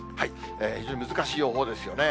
非常に難しい予報ですよね。